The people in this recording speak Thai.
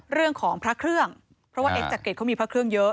เรื่องของพระเครื่องเพราะว่าเอ็กจักริตเขามีพระเครื่องเยอะ